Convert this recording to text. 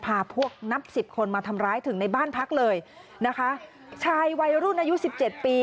พาพวกนับสิบคนมาทำร้ายถึงในบ้านพักเลยนะคะชายวัยรุ่นอายุสิบเจ็ดปี